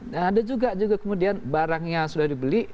nah ada juga kemudian barangnya sudah dibeli